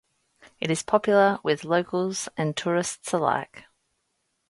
It is popular with locals and tourists alike.